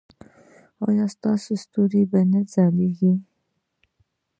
ایا ستاسو ستوري به نه ځلیږي؟